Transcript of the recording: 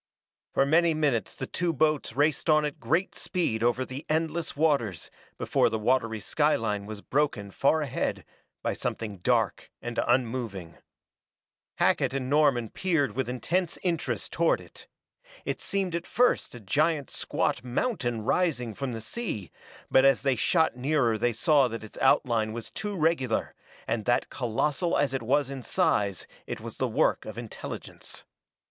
For many minutes the two boats raced on at great speed over the endless waters before the watery skyline was broken far ahead by something dark and unmoving. Hackett and Norman peered with intense interest toward it. It seemed at first a giant squat mountain rising from the sea, but as they shot nearer they saw that its outline was too regular, and that colossal as it was in size it was the work of intelligence.